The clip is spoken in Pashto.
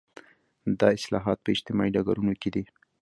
دا اصلاحات په اجتماعي ډګرونو کې دي.